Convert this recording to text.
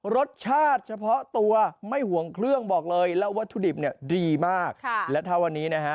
รสชาติเฉพาะตัวไม่ห่วงเครื่องบอกเลยแล้ววัตถุดิบเนี่ยดีมากและถ้าวันนี้นะฮะ